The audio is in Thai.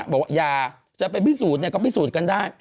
บอกว่าอย่าจะไปพิสูจน์ก็พิสูจน์กันได้